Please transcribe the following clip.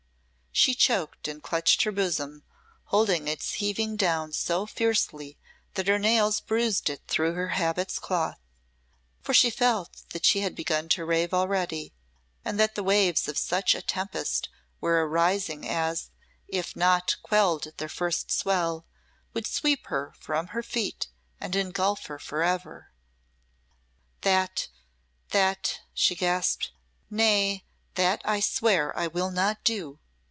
She choked, and clutched her bosom, holding its heaving down so fiercely that her nails bruised it through her habit's cloth; for she felt that she had begun to rave already, and that the waves of such a tempest were arising as, if not quelled at their first swell, would sweep her from her feet and engulf her for ever. "That that!" she gasped "nay that I swear I will not do!